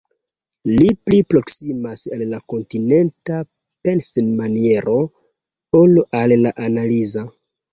Li pli proksimas al la kontinenta pensmaniero ol al la analiza.